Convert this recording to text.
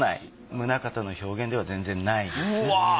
棟方の表現では全然ないですね。